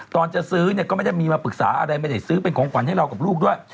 ตอนจะซื้อเนี่ยก็ไม่ได้มีมาปรึกษาอะไรไม่ได้ซื้อเป็นของขวัญให้เรากับลูกด้วย